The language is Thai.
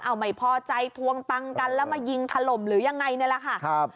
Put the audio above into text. เอาไม่พอใจทวงตังค์กันแล้วมายิงถล่มหรือยังไงนี่แหละค่ะครับ